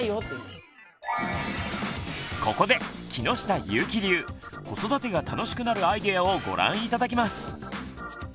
ここで木下ゆーき流子育てが楽しくなるアイデアをご覧頂きます！